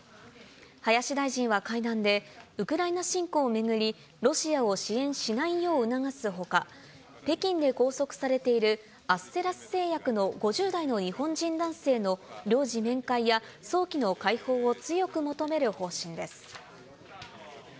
林大臣は会談で、ウクライナ侵攻を巡り、ロシアを支援しないよう促すほか、北京で拘束されている、アステラス製薬の５０代の日本人男性の領事面会や、早期の解放を強く求める方針です。